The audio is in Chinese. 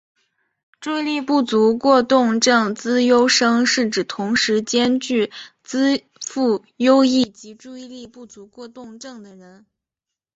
注意力不足过动症资优生是指同时兼具资赋优异及注意力不足过动症的人。